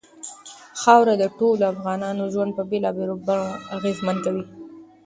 خاوره د ټولو افغانانو ژوند په بېلابېلو بڼو اغېزمن کوي.